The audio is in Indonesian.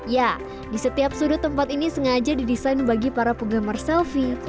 ya di setiap sudut tempat ini sengaja didesain bagi para penggemar selfie